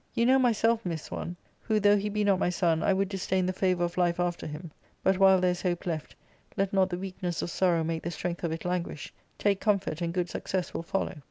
You know myself miss one, who, though he be not my son, I would disdain the favour of life after him ; but, while /there is hope left, let not the weakness of sorrow make the strength of it languish :|take comfort, and good success will follow."